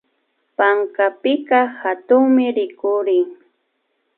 Pankapika hatunmi rikurin